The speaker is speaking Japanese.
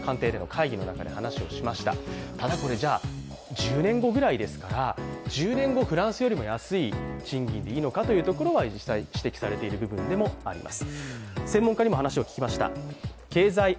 １０年後ぐらいですから、１０年後フランスよりも安い賃金でいいのかというのは実際、指摘されている部分ではあります。